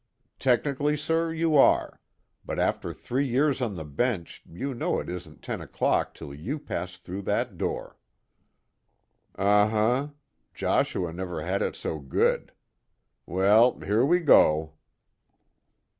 "Technically, sir, you are. But after three years on the bench, you know it isn't ten o'clock till you pass through that door." "Uh huh Joshua never had it so good. Well, here we go